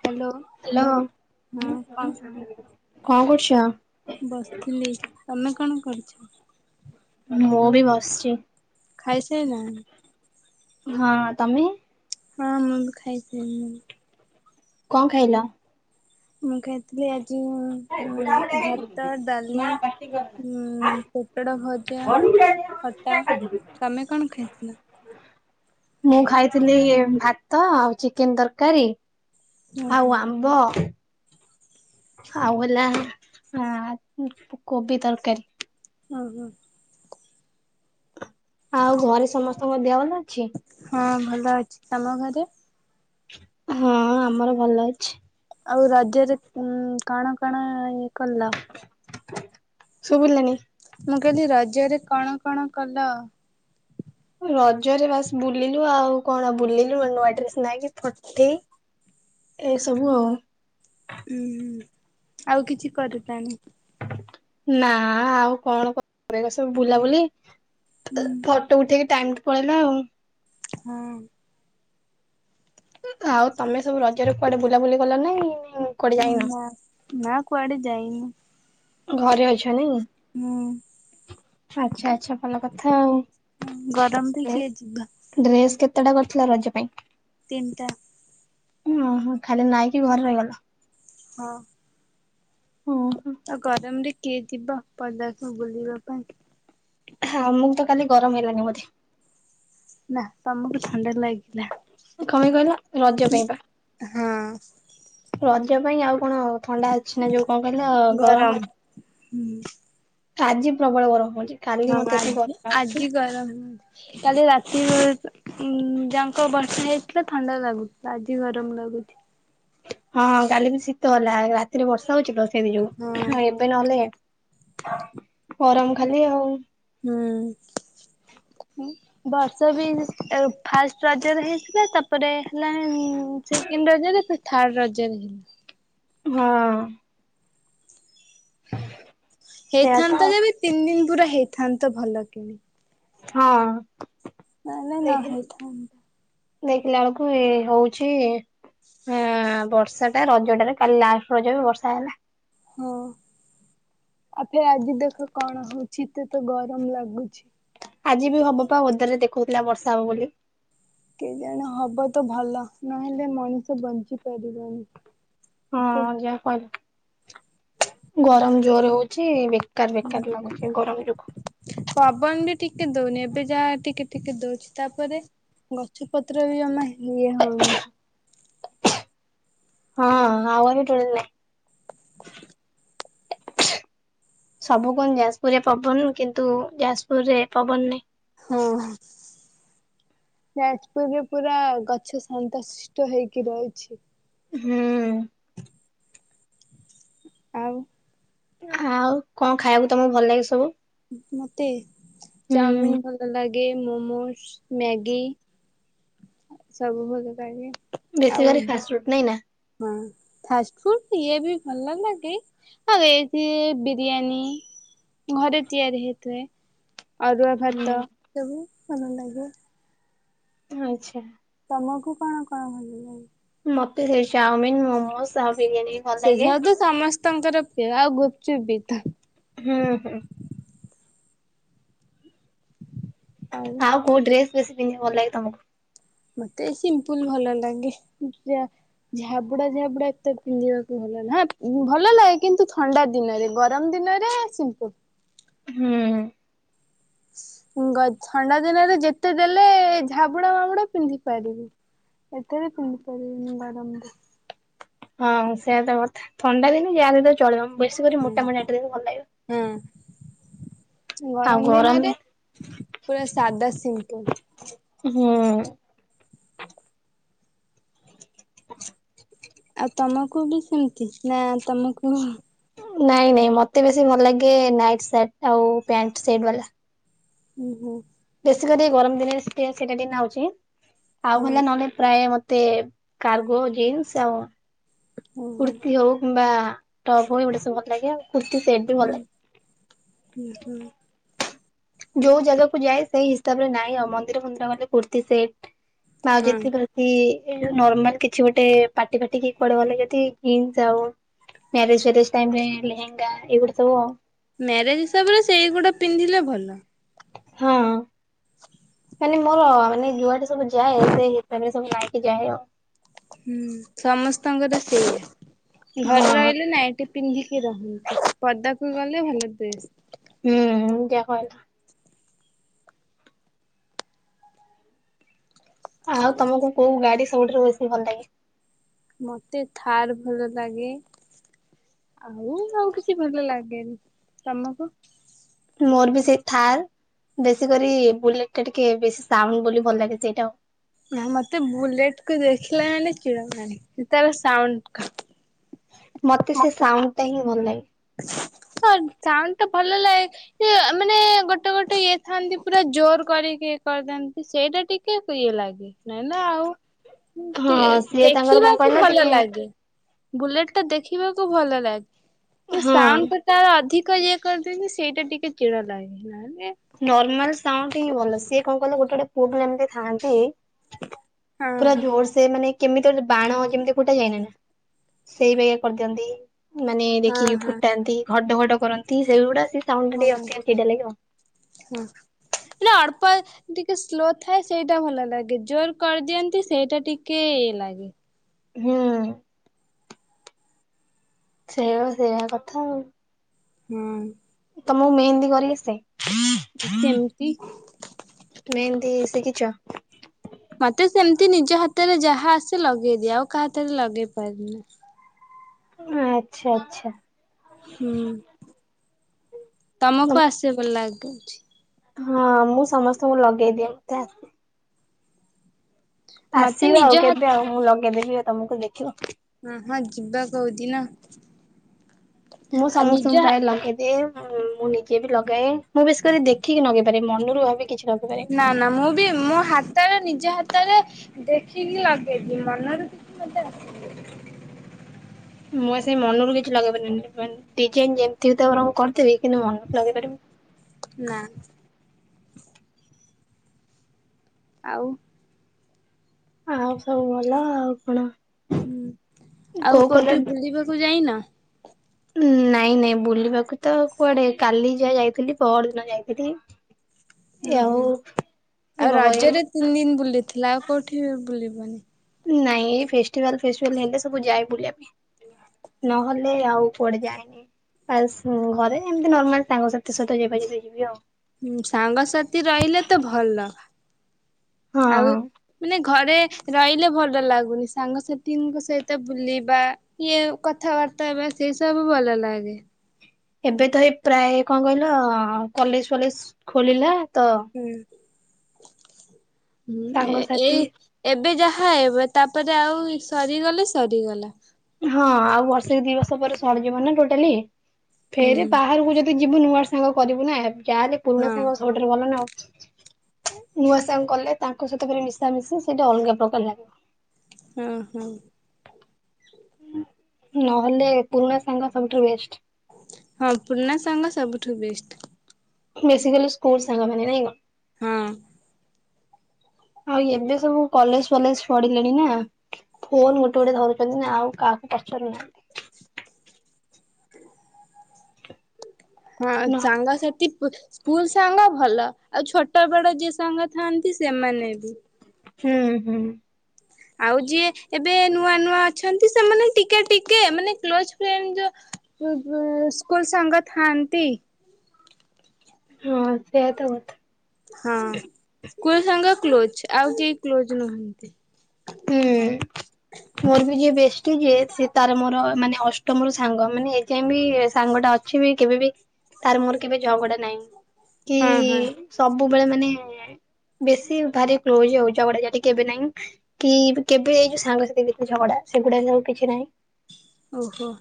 Hello hello. ହଁ କଣ କଣ କରୁଛ? ବସିଥିଲି। ତମେ କଣ କରୁଛ? ମୁଁ ବି ବସିଛି। ଖାଇ ସାଇ ଲଣି? ହଁ ତମେ? ହଁ ମୁଁ ବି ଖାଇ ସାଇ ଲିଣି। କଣ ଖାଇଲ? ମୁଁ ଖାଇଥିଲି ଆଜି ଭାତ, ଡାଲି ପୋଟଳ ଭଜା, ଖଟା। ତମେ କଣ ଖାଇଥିଲ? ମୁଁ ଖାଇଥିଲି ଭାତ, ଆଉ ଚିକେନ୍ ତରକାରୀ ଆଉ ଓହୋ ଆମ୍ବ ଆଉ ହେଲା ହ କୋବି ତରକାରୀ। ହୁଁ ହୁଁ। ଆଉ ଘରେ ସମସ୍ତଙ୍କ ଦେହ ଭଲ ଅଛି? ହଁ ଭଲ ଅଛି। ତମ ଘରେ? ହଁ ଆମର ଭଲ ଅଛି। ଆଉ ରଜରେ ଉ କଣ କଣ ଇଏ କଲ? ଶୁଭିଲାନି? ମୁଁ କହିଲି ରଜରେ କଣ କଣ କଲ? ରଜରେ ବାସ୍ ବୁଲିଲୁ ଆଉ କଣ ବୁଲିଲୁ ନୂଆ ଡ୍ରେସ୍ ନାଇକି ଫଠେ ଏସବୁ ଆଉ। ଉୁଁ ହୁଁ ଆଉ କିଛି କରି ତାନ ନା ଆଉ କଣ କ ସବୁ ବୁଲାବୁଲି ହୁଁ ଫଟୋ ଉଠେଇକି ଟାଇ ପଳେଇଲାା ଆଉ। ହଁ। ଆଉ ତମେ ସବୁ ରଜ ରେ କୁଆଡେ ବୁଲାବୁଲି କଲ ନାଇଁ? କୁଆଡେ ଉ ଯାଇନ? ନା, ନା କୁଆଡେ ଯାଇନି। ଘରେ ଅଛ ନି? ହୁଁ। ଆଚ୍ଛା ଆଛା ଭଲ କଥା ଆଉ। ହ ଗରମ ବି କିଏ ଯିବା ଡ୍ରେସ୍ କେତେଟା କରିଥିଲା ରଜ ପାଇଁ? ତିନିଟା। ଉଁ ଓହୋ। ଖାଲି ନାଇକି ଘରେ ରହିବା କଥା। ହଁ। ଓହୋ ଆଉ ଗରମରେ କିଏ ଯିବ ପଦା କୁ ବୁଲିବା ପାଇଁ। ଆମକୁ ତ କାଲି ଗରମ ହେଲାନି ବୋଧେ। ନା ତମକୁ ଥଣ୍ଡା ଲାଗିଲା। କଣ ପାଇଁ କହିଲ ରଜ ପାଇଁ ପା। ହଁ ରଜ ପାଇଁ ଆଉ କଣ ଥଣ୍ଡା ଅଛି ନା ଯୋଉ କଣ କହିଲ ଗରମ ହଛି। ହୁଁ ଆଜି ପ୍ରବଳ ଗରମ ହୋଉଛି। ହଁ ଆଜି ଆଜି ଗରମ। କାଲି ରାତିରେ ଉଁ ଯାଙ୍କ ବର୍ଷା ହେଇଥିଲା ଥଣ୍ଡା ଲାଗୁଥିଲା ଆଜି ଗରମ ଲାଗୁଛି। ହଁ କାଲି ବି ଶୀତ ହେଲା। ରାତିରେ ବର୍ଷା ହଉଛି ସେ ଯୁ ହଁ ଏବେ ନହେଲେ ଗରମ ଖାଲି ଆଉ। ହୁଁ। ବର୍ଷ ବି ଫାଷ୍ଟ ରଜରେ ହେଇଥିଲା ତାପରେ ହେଲା ସେ ସେକେଣ୍ଡ ରଜରେ ଫେର୍ ଥାର୍ଡ ରଜରେ ହେଲା। ହଁ। ସେଇଆ ତ ହେଇଥାନ୍ତା ଆଉ। ଯେବେ ତିନି ଦିନ୍ ପୁରା ହେଇଥାନ୍ତା ପୁରା ଭଲ କିନି। ହଁ। ନ ହେନେ ନ ଦେଖି ହେଇଥାନ୍ତା। ଦେଖିଲା ଆଳୁକୁ ଏ ହୋଉଛି। [unintelligible] ବର୍ଷା ଟା ରଜ ଟାରେ କାଲି ଲାଷ୍ଟ ରଜ ବି ବର୍ଷା ହେଲା। ହଁ ଆଉ ଫେ ଆଜି ଦେଖ କଣ ହୋଉଛି ଏତେ ତ ଗରମ ଲାଗୁଛି। ଆଜି ବି ହବ ପା [unintelligible] ଦେଖୋଉଥିଲା ବର୍ଷା ହବ ବୋଲି। କେଜଣେ ହବ ତ ଭଲ ନହେଲେ ମଣିଷ ବଞ୍ଚି ପାରିବନି। ହଁ ଏତେ ଯାହା କହିଲ ଗରମ ଜୋରେ ହୋଉଛି ବେ କାର୍ ବେକାର୍ ଲାଗୁଛି ଗରମ ଯୋଗୁ। ପବନ ଟିକେ ଦୋଉନି ଏବେ ଯାହା ଟିକେ ଟିକେ ଦୋଉଛି ତାପରେ ଗଛ ପତ୍ର ବି [unintelligible] ଇଏ ହୋଉନି। ହଁ [unintelligible] [inaudible] ସବୁ କୁହନ୍ତି ଯାସପୁରିଆ ପବନ କିନ୍ତୁ ଯାସପୁରରେ ପବନ ନାଇଁ। ହଁ। ଯାଜପୁରରେ ପୁରା ଗଛ ଶାନ୍ତ ଶିଷ୍ଟ ହେଇକି [unintelligible] ହୁଁ। ଆଉ। ଆଉ କଁ ଖାଇବାକୁ ତମୁକୁ ଭଲ ଲାଗେ ସବୁ। ମତେ ହୁଁ ଚାଓମିନ୍ ଭଲ ଲା ଗେ ମୋମୋସ୍ ମ୍ୟାଗି ସବୁ ଭଲ ଲାଗେ। ବେଶୀ ଆଉ କରୀ ଫାଷ୍ଟ ଫୁଡ୍ ନାଇଁ ନା। ହଁ ଫାଷ୍ଟଫୁଡ ଇଏ ବି ଭଲ ଲାଗେ। ଆଉ [unintelligible] ବିରିୟାନୀ ଘରେ ତିଆରି ହେଇଥିଲେ। ଅରୁଆ ଭାତ ହୁଁ ସବୁ ଭନ ଲାଗେ। ଆଚ୍ଛା। ତମକୁ କଣ କଣ ଭଲ ଲାଗେ। ମତେ ସେଇ ଚାଓମିନ୍ ମୋମୋସ୍ [unintelligible] ସେ ସବୁ ତ ସମସ୍ତଙ୍କର ପ୍ରିୟ ଆଉ ଗୁପଚୁପ ବି ତ। ହୁଁ ହୁଁ। ଆଉ ଆଉ କୋଉ ଡ୍ରେସ୍ ବେଶୀ ପନ୍ଧିବାକୁ ଭଲ ଲାଗେ ତମୁକୁ। ମତେ ସିମ୍ପୁଲ ଭଲ ଲାଗେ ଯା ଝାବୁଡା ଝାବୁଡା ଏତେ ପିନ୍ଧିବାକୁ ଭଲ ଲା [unintelligible] ଭଲ ଲାଗେ କିନ୍ତୁ ଥଣ୍ଡା ଦିନରେ। ଗରମ ଦିନରେ ସିମ୍ପୁଲ। ହୁଁ। ଗ ଥଣ୍ଡା ଦିନରେ ଯେତେ ଦେଲେ ଝାବୁଡା ମାବୁଡା ପିନ୍ଧି ପାରିବି। ଏଥିରେ ପିନ୍ଧି ପାରିବିନି [unintelligible] ହଁ ସେଇଆ ତ କଥା ଥଣ୍ଡା ଦିନେ ଯାହା ଦେଲେ ଚଳିବ ବେଶୀ କରି ହୁଁ ମୋଟା ମୋଟା ଡ୍ରେସ୍ ଦିନ ଭଲ ଲାଗିବ। ହୁଁ। ଆଉ ଗରମ ହୁଁ। [inaudible] ଆଉ ତମକୁ ବି ସେମିତି ନା ତମେ କୁହ। ନାଇଁ ନାଇଁ ମତେ ବେଶୀ ଭଲ ଲାଗେ ନାଇଟ୍ ସାର୍ଟ ଆଉ ପ୍ୟାଣ୍ଟ ସେଟ୍ ବାଲା। ଓହୋ। ବେଶୀ କରି ଗରମ ଦିନରେ [unintelligible] ସେଟା ଟିକେ ନାଉଛି ଆଉ ହଁ ହେଲା ନହେଲେ ପ୍ରାୟ ମତେ କାର୍ଗୋ ଜିନ୍ସ ଆଉ ଓହୋ କୁର୍ତି ହୋଉ କିମ୍ବା ଟପ୍ ହୋଉ ଏଇ ଗୁଡା ସବୁ ଲାଗେ ଆଉ କୁର୍ତ୍ତୀ ସେଟ ବି ଭଲ ଲାଗେ। ଉଁହୁଁ। ଯୋଉ ଜାଗାକୁ ଯାଏ ସେଇ ହିସାବରେ ନାଇଁ ଆଉ ମନ୍ଦିର ଫନ୍ଦିର ଗଲେ କୁର୍ତ୍ତି ସେଟ୍ ବା ଆଉ। ହଁ [unintelligible] ତି ଏଇ ନର୍ମାଲ କିଛି ଗୋଟେ ପାଟି ଫାଟି କି କୁଆଡେ ଗଲେ ଯଦି ଜିନ୍ସ ଆଉ ମ୍ୟାରେଜ୍ ଫ୍ୟାରେଜ ଟାଇମରେ ଲେହେଙ୍ଗା ଏଆଇଗୁଡ଼ା ସବୁ। ମ୍ୟାରେଜ ହିସାବରେ ସେଇଗୁଡା ପିନ୍ଧିଲେ ଭଲ। ହଁ। ମାନେ ମୋର ମାନେ ଯୁଆଡେ ସବୁ ଯାଏ ସେ ହିସାବରେ ସବୁ ନାଇକି ଯାଏ ଆଉ। ହୁଁ ସମସ୍ତଙ୍କର ସେଇଆ ଘରେ ହଁ। ରହିଲେ ନାଇଟି ପିନ୍ଧିକି ରହନ୍ତି ପଦାକୁ ଗଲେ ଭଲ ଡ୍ରେସ୍। ହୁଁ ଯା କହିଲ। ଆଉ ତମକୁ କୋଉ ଗାଡି ସବୁଠାରୁ ବେଶୀ ଭଲ ଲାଗେ? ମତେ ଥାର୍ ଭଲ ଲାଗେ। ଆଉ ଆଉ କିଛି ଭଲ ଲାଗେନି ତମକୁ? ମୋର ବି ସେଇ ଥାର୍ ବେଶୀ କରି ବୁଲେଟଟା ଟିକେ ବେଶୀ ସାଉଣ୍ଡ ବୋଲି ଭଲ ଲାଗେ ସେଇଟା ଆଉ। ନା ମତେ ବୁଲେଟକୁ ଦେଖିଲା ମାନେ ଚିଡ଼ା ମାଡେ ତାର ସାଉଣ୍ଡକୁ। ମତେ ସେ ସାଉଣ୍ଡଟା ହିଁ ଭଲ ଲାଗେ। ହଁ ସାଉଣ୍ଡଟା ଭଲ ଲାଗେ ସିଏ ମାନେ ଗୋଟେ ଗୋଟେ ଇଏ ଥାନ୍ତି ପୁରା ଜୋର କରିକି ଏଇ କରିଦିଅନ୍ତି ସେଇଟା ଟିକେ ଇଏ ଲାଗେ। ନାଇଁ ନା ଆଉ ଏମତି ହଁ। ସିଏ ତାଙ୍କର କଣ କହିଲ ଦେଖିବାକୁ ଭଲ ଟିକେ ଲାଗେ। ବୁଲେଟଟା ଦେଖିବାକୁ ଭଲ ଲା ନା ହଁ। ସାଉଣ୍ଡଟା ତାର ଅଧିକ ଇଏ କରିଦିଅନ୍ତି ସେଇଟା ଟିକେ ଚିଡ଼ ଲାଗେ ନହେଲେ ନର୍ମାଲ ସାଉଣ୍ଡ ହିଁ ଭଲ ସିଏ କଣ କଲେ ଗୋଟେ ଗୋଟେ ପୁଅପିଲା ଥାଆନ୍ତ ହଁ ପୁରା ହଁ ଜୋରସେ ମାନେ କେମିକାଲ ବାଣ ଯେମତି ଫୁଟା ଯାଇନି ନା ସେଇ ବାଗିଆ କରିଦିଅନ୍ତି। ମାନେ ହଁ ଦେଖିକି ହଉ। ଫୁଟାନ୍ତି ଘଡ ଘଡ କରନ୍ତି ସେଇଗୁଡା ସେ ସାଉଣ୍ଡଟା ଟିକେ ଅଧିକା ଚିଡ଼ା ଲାଗିବ। ହଁ ନା ଅଳ୍ପ ଏ ଟିକେ ସ୍ଲୋ ଥାଏ ସେଇଟା ଭଲ ଲାଗେ ଜୋର କରିଦିଅନ୍ତି ସେଇଟା ଟିକେ ଇଏ ଲାଗେ। ହୁଁ। ସେଇଆ ସେଇଆ କଥା ଆଉ। ହୁଁ। ତମକୁ ମେହେନ୍ଦି କରି ଆସେ? ସେମତି। ମେହେନ୍ଦୀ ଶିଖିଚ? ମତେ ସେମତି ନିଜ ହାତରେ ଯାହା ଆସେ ଲଗେଇଦିଏ ଆଉ କାହା ହାତରେ ଲଗେଇ ପାରେନା। ଆଚ୍ଛା ଆଚ୍ଛା। ହୁଁ। ତମକୁ ଆସେ ବୋଲ ଲାଗୁ ଅଛି। ହଁ ମୁଁ ସମସ୍ତଙ୍କୁ ଲଗେଇଦିଏ ମତେ ଆସେ। ମତେ ଆସିବ ନିଜ ଆଉ ହାତ କେବେ ଆଉ ମୁଁ ଲଗେଇଦେବି ଆଉ ତମକୁ ଦେଖିବ। ହଁ ଯିବା କୋଉଦିିନ। ମୁଁ ସମସ୍ତଙ୍କୁ ପ୍ରାୟେ ଲଗେଇଦିଏ ଉଁ ମୁଁ ନିଜେ ବି ଲଗାଏ। ମୁଁ ବେଶ କରି ଦେଖିକି ନଗେଇ ପାରେ ମନରୁ ଭାବି କିଛି ଲଗେଇ ପାରେନି। ନା ନା ମୁଁ ବି ମୋ ହାତାରେ ନିଜ ହାତରେ ଦେଖିକି ଲଗେଇବି ମନରୁ କିଛି ମତେ ଆ ମୁଁ ପା ସେଇ ମନରୁ କିଛି ଲଗେଇ ପାରିବିନି ମାନେ ଡିଜାଇନ ଯେମତି ତମର ମୁଁ କରିଦେବି କିନ୍ତୁ ମନରୁ ଲଗେଇ ପାରିବି ନା। ଆଉ? ଆଉ ସବୁ ଭଲ ଆଉ କଣ? ହୁଁ ଆଉ କୋଉ କଲର କୋଉଠି ବୁଲିବାକୁ ଯାଇନ? ଉଁ ନାଇଁ ନାଇଁ ବୁଲିବାକୁ ତ କୁଆଡେ କାଲି ଯାହା ଯାଇଥିଲି ପହରଦିନ ଯାଇଥିଲି। ଉୁ ଆଉ ହୁଁ ଆଉ ହବ ଏଇ ରଜରେ ତିନ୍ ଦିନ୍ ବୁଲିଥିଲ ଆଉ କୋଉଠି ବୁଲିବନି। ନାଇଁ ଏଇ ଫେଷ୍ଟିଭାଲ ଫେଷ୍ଟିଭାଲ ହେଲେ ସବୁ ଯାଏ ବୁଲିବା ପାଇଁ। ନହେଲେ ଆଉ କୁଆଡେ ଯାଏନି। ବାସ୍ ଘରେ ଏମିତି ନର୍ମାଲ ସାଙ୍ଗ ସାଥି ସହିତ ଯିବା ଯିବି ଯିବି ଆଉ। ସାଙ୍ଗସାଥି ରହିଲେ ତ ଭଲ ଆଉ ହଁ। ମାନେ ଘରେ ରହିଲେ ଭଲ ଲାଗୁନି ସାଙ୍ଗସାଥିଙ୍କ ସହିତ ବୁଲିବା ଇଏ କଥାବାର୍ତ୍ତା ହେବା ସେଇ ସବୁ ଭଲ ଲାଗେ। ଏବେ ତ ଏଇ ପ୍ରାୟ କଂ କହିଲ କଲେଜ୍ ଫଲେଜ୍ ଖୋଲିଲା ତ ହୁଁ ହଁ ଏ ସାଙ୍ଗସାଥି ଏଇ ଏବେ ଯାହା ହେବ ତାପରେ ଆଉ ସରିଗଲେ ସରିଗଲା। ହଁ ଆଉ ବର୍ଷେ କି ଦିବର୍ଷ ପରେ ସରିଯିବ ନା ଟୋଟାଲି ହୁଁ ଫେରେ ବାହାରକୁ ଯ ଦି ଯିବୁ ନୂଆ ସାଙ୍ଗ କରିବୁ ନା ଯାହାଲେ ପୁରୁଣା ହଁ ସାଙ୍ଗ ସବୁଠାରୁ ଭଲ ନା ଆଉ। ନୂଆ ସାଙ୍ଗ କଲେ ତାଙ୍କ ସହିତ ପୁରା ମିଶା ମିଶି ସେଇଟା ଅଲଗା ପ୍ରକାର ଲାଗେ। ହୁଁ ହୁଁ। ନହେଲେ ପୁରୁଣା ସାଙ୍ଗ ସବୁଠାରୁ ବେଷ୍ଟ୍। ହଁ ପୁର୍ନା ସାଙ୍ଗ ସବୁଠୁ ବେଷ୍ଟ୍। ବେଶୀଖାଲି ସ୍କୁଲ୍ ସାଙ୍ଗ ମାନେ ନାଇଁ। ହୁଁ। ଆଉ ଏବେ ସବୁ କଲେଜ୍ ଫଲେଜ୍ ପଢିଲେଣି ନା। ଫୋନ୍ ଗୋଟେ ଗୋଟେ ଧରୁଛନ୍ତି ନା ଆଉ କାହାକୁ ପଚାରୁ ନାହାନ୍ତି। ହ ହଁ ନା ସାଙ୍ଗ ସେଟି। ସ୍କୁଲ୍ ସାଙ୍ଗ ଭଲ ଆଉ ଛୋଟ ବଡ଼ ଯିଏ ସାଙ୍ଗ ଥାଆନ୍ତି ସେମାନେ ବି। ହୁଁ ହୁଁ। ଆଉ ଯିଏ ଏବେ ନୂଆ ନୂଆ ଅଛନ୍ତି ସେମାନେ ଟିକେ ଟିକେ ମାନେ କ୍ଲୋଜ୍ ଫ୍ରେଣ୍ଡ୍ ଯ ସ୍କୁଲ ସାଙ୍ଗ ଥାଆନ୍ତି। ହଁ ସେୟା ତ କଥା। ହଁ ସ୍କୁଲ୍ ସାଙ୍ଗ କ୍ଲୋଜ୍ ଆଉ କେହି କ୍ଲୋଜ୍ ନୁହନ୍ତି। ହୁଁ। ମୋର ବି ଯିଏ ବେଷ୍ଟି ଯିଏ ସିଏ ତାର ମୋର ମାନେ ଅଷ୍ଟମ ରୁ ସାଙ୍ଗ ମାନେ ଏଯାଏଁ ବି ସାଙ୍ଗ ଟା ଅ ଛି ବି କେବେ ବି ତାର ମୋର କେବେ ଜଗଡା ନାହିଁ କି ହଁ ହଁ ସବୁବେଳେ ମାନେ ବେଶୀ ଭାରି କ୍ଲୋଜ ଆଉ ଝଗଡା ଝାଟି କେବେ ନାଇଁ। କି କେବେ ଯୋଉ ସାଙ୍ଗସଥି ଭିତରେ ଝଗଡା ସେଗୁଡା ସବୁ କିଛି ନାହିଁ। ଓହୋ।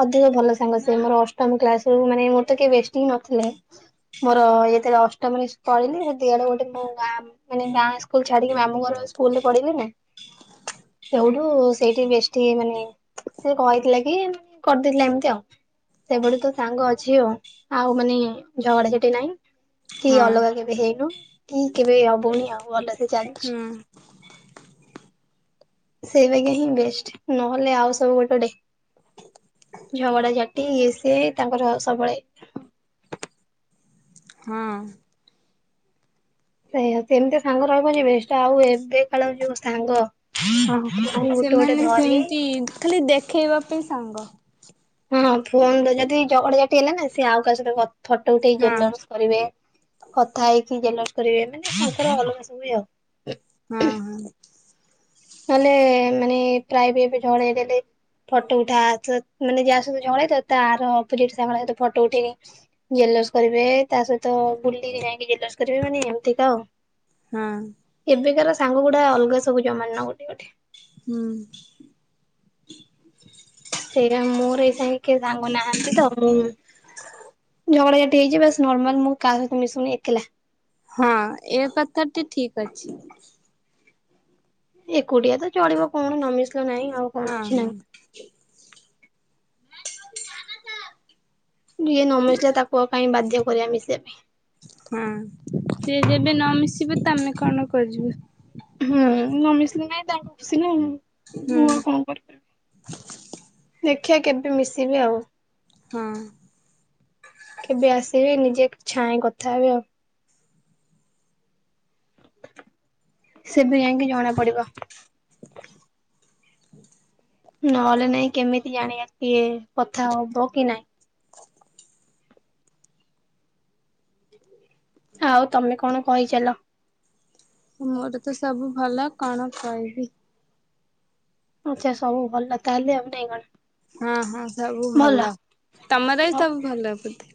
ଅଧିକ ଭଲ ସାଙ୍ଗ ସେ ମୋର ଅଷ୍ଟମ କ୍ଲାସ୍ ରୁ ମାନେ ମୋର ତ କେହି ବେଷ୍ଟି ହିଁ ନଥିଲେ। ମୋର ଇଏଥିଲା ଅଷ୍ଟମରେ ପଳିଲି ଦିଆଡେ ଗୋଟେ ମୋ ଗାଁ ମାନେ ଗାଁ ସ୍କୁଲ ଛାଡିକି ମାମୁ ଘଙ୍କର ସ୍କୁଲ ରେ ପଢିଲି ନା। ସେଉଠୁ ସେଇଠି ବେଷ୍ଟି ମାନେ। ସେ କହିଥିଲା କି କରିଦେଲି ଏମ୍ତି ଆଉ। ସେଭଳି ତ ସାଙ୍ଗ ଅଛି ଆ ଆଉ ମାନେ ଝଗଡାଝାଟି ନାଇଁ। କି ହଁ ଅଲଗା କେବେ ହେଇନୁ କି କେବେ ହବନି ଆଉ ଭଲସେ ହଁ ଚାଲ୍ଚୁ। ସେଇ ବା ହିଁ ବେଷ୍ଟ୍ ନହେଲେ ଆଉ ସବୁ ଗୋଟେ ଗୋଟେ ଝଗଡା ଝାଟି ଇଏ ସିଏ ତାଙ୍କର ସବ୍ବେଳେ। ହଁ। ସେଇଆ ସେମିତି ସାଙ୍ଗ ରହିବ ଯେ ବେଷ୍ଟ୍ ଆଉ ଏବେ କାଳର ଯୋଉ ସାଙ୍ଗ। ହଁ ମାନେ ଗୋଟେ ଗୋଟେ ସେମାନେ ଧରି ସେମ୍ତି ଖାଲି ଦେଖେଇବା ପାଇଁ ସାଙ୍ଗ। ହଁ ଫୋନ ଯଦି ଝଗଡ ଜାଟି ହେଲେ ନା ସେ ଆଉ କା ସ କ ଫଟୋ ଉଠେଇ ହଁ ଜେଲସ୍ କରିବେ କଥା ହେଇକି ଜେଲସ୍ କରିବେ ମାନେ ତାଙ୍କର ଅଲଗା ସବ ହୁଏ ଆଉ। ହଁ ହୁଁ। ନହେଲେ ମାନେ ପ୍ରାୟ ବି ଏବେ ଝଗଡା ଝାଟି ହେଲେ ଫଟୋ ଉଠା ତ ମାନେ ଯାହାସୁ ଝଗଡା ହେଇଥିବ ତାର ଅପୋଜିଟ ସାଙ୍ଗ ଟା ସହିତ ଫଟୋ ଉଠେଇନେ ଜେଲସ କରିବେ ତା ସହିତ ବୁଲିକି ଯାଇକି ଜେଲସ କରିବେ ମାନେ ଏମିତିକା ଆଉ। ହଁ ଏବେକାର ସାଙ୍ଗ ଗୁଡା ଅଲଗା ସବୁ ଜମା ନ ଗୋଟେ ଗୋଟେ। ହୁଁ। ସେରା ମୋର ଏଇ ସାଙ୍ଗେ କିଏ ସାଙ୍ଗ ନାହାନ୍ତି ତ ମୁଁ ମୋର ଏଠି ହେଇଚି ବାସ୍ ନର୍ମାଲ ମୁଁ କାହା ସହିତ ମିଶୁନି ଏକେଲା। ହଁ ଏ କଥାଟି ଠିକ ଅଛି। ଏକୁଟିଆ ତ ଚଳିବ କଣ ନମିଷ ହଁ ହଁ। ଯିଏ ନ ମିଶିଲା ତାକୁଉ କାଇହିଁ ବାଧ୍ୟ କରିବା ମିଶିବା ପାଇଁ। ହଁ ସିଏ ଯେବେ ନ ମିିଶିବ ତ ଆମେ କଣ ଖୋଜିବୁ? ହୁଁ ନ ମିଶିଲି ନାଇଁ ତାଙ୍କ ଖୁସି ନା ହୁଁ ମୁଁ ଆଉ କଣ କରିବି? ଦେଖିବା କେବେ ମିଶିବି ଆଉ। ହଁ। କେବେ ଆସିବେ ନିଜେ ଛାଇଁ କଥା ହେବେ ଆଉ। ସେ ବେ ଜାଇଁକି ଜଣା ପଡିବ। ନହେଲେ ନାଇଁ କେମିତି ଜାଣିବା କିଏ କଥା ହବ କି ନାଇଁ? ଆଉ ତମେ କଣ କହିଚାଲ? ମୋର ତ ସବୁ ଭଲ। କଣ କହିବି? ଆଚ୍ଛା ସବୁ ଭଲ ତାହେଲେ ଆଉ ନାଇଁ କଣ? ହଁ ହଁ ସବୁ ଭଲ। ତମର ବି ସବୁ ଭଲ ବୋଧେ?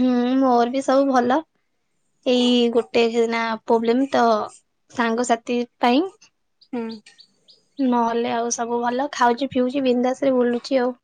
ହୁଁ ମୋର ବି ସବୁ ଭଲ। ଏଇ ଗୋଟେହେନା ପ୍ରୋବ୍ଲେମ ତ ସାଙ୍ଗସାଥି ପାଇଁ। ହୁଁ। ନହେଲେ ଆଉ ସବୁ ଭଲ ଖାଉଚି ପିଉଚି ବିନ୍ଧାସ ରେ ବୁଲୁଚି ଆଉ।